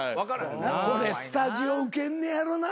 これスタジオウケんのやろなと思って。